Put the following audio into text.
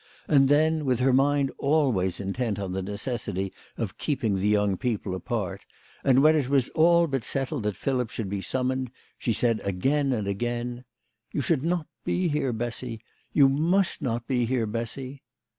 And then, with her mind always intent on the necessity of keeping the young people apart, and when it was all but settled that Philip should be summoned, she said again and again, "You should not be here, Bessy. You must not be here, Bessy."